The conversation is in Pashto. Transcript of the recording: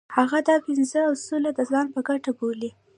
هغه دا پنځه اصول د ځان په ګټه بولي.